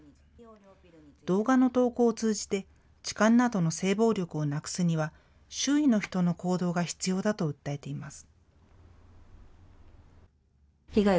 動画の投稿を通じて痴漢などの性暴力をなくすには周囲の人の行動が必要だと訴えています。